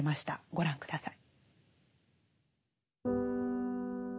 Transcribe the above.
ご覧下さい。